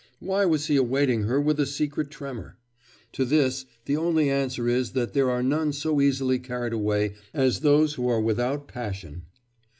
Why was he awaiting her with a secret tremor? To this the only answer is that there are none so easily carried away as those who are without passion.